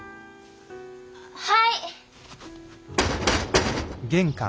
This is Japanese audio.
はい！